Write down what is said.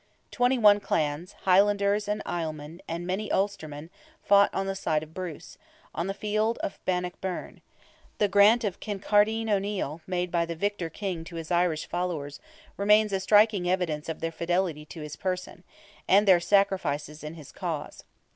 Twenty one clans, Highlanders and Islemen, and many Ulstermen, fought on the side of Bruce, on the field of Bannockburn; the grant of "Kincardine O'Neil," made by the victor King to his Irish followers, remains a striking evidence of their fidelity to his person, and their sacrifices in his cause.